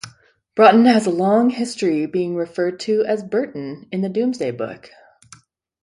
Broughton has a long history, being referred to as "Burtone" in the Domesday Book.